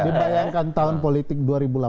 dibayangkan tahun politik dua ribu delapan belas